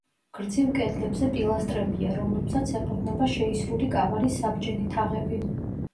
გრძივ კედლებზე პილასტრებია, რომლებსაც ეყრდნობა შეისრული კამარის საბჯენი თაღები.